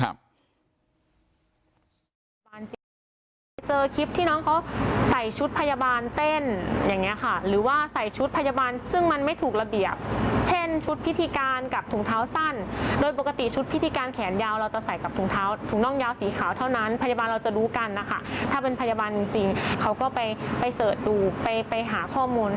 ไม่ได้เป็นพยาบาลจริงเขาก็ไปเสิร์ชดูไปหาข้อมูล